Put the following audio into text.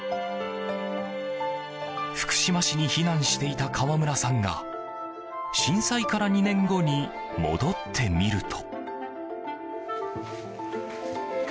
福島市に避難していた川村さんが震災から２年後に戻ってみると。